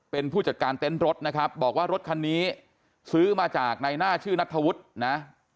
เป็นผู้จัดการเต็นต์รถนะครับบอกว่ารถคันนี้ซื้อมาจากในหน้าชื่อนัทธวุฒินะ